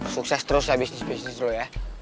sukses terus ya bisnis bisnis loh ya